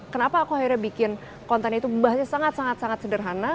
kenapa aku akhirnya bikin konten itu membahasnya sangat sangat sederhana